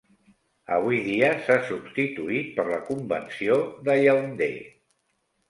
Avui dia s'ha substituït per la Convenció de Yaoundé.